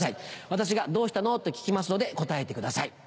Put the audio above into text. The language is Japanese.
私が「どうしたの？」と聞きますので答えてください。